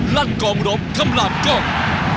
ั่นกองรบคำลามกล้อง